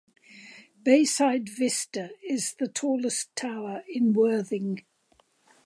Bayside Vista is the tallest tower in Worthing.